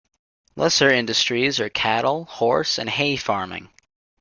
Lesser industries are cattle, horse, and hay-farming.